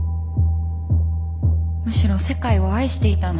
むしろ世界を愛していたのに。